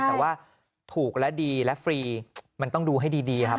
แต่ว่าถูกและดีและฟรีมันต้องดูให้ดีครับ